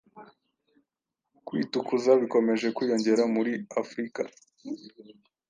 kwitukuza bikomeje kwiyongera muri Afurika